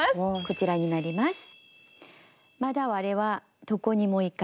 こちらになります。